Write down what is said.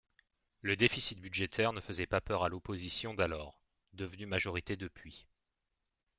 Le déficit budgétaire ne faisait pas peur à l’opposition d’alors, devenue majorité depuis.